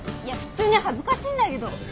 いや普通に恥ずかしいんだけど。